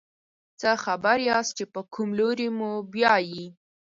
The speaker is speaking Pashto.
څه خبر یاست چې په کوم لوري موبیايي.